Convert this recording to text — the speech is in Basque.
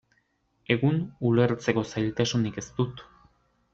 Egun, ulertzeko zailtasunik ez dut.